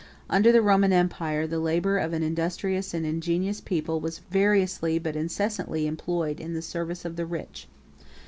Under the Roman empire, the labor of an industrious and ingenious people was variously, but incessantly, employed in the service of the rich.